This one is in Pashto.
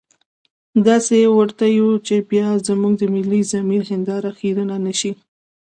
داسې يې ورټو چې بيا زموږ د ملي ضمير هنداره خيرنه نه شي.